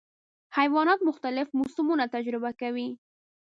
حیوانات مختلف موسمونه تجربه کوي.